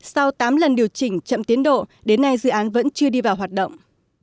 sau tám lần điều chỉnh chậm tiến độ đến nay dự án vẫn chưa đi vào hoạt động